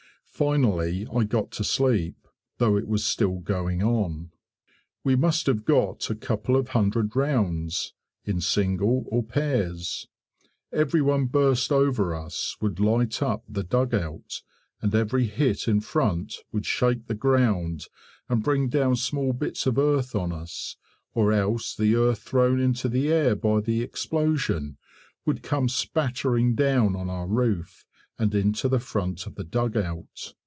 Finally I got to sleep, though it was still going on. We must have got a couple of hundred rounds, in single or pairs. Every one burst over us, would light up the dugout, and every hit in front would shake the ground and bring down small bits of earth on us, or else the earth thrown into the air by the explosion would come spattering down on our roof, and into the front of the dugout.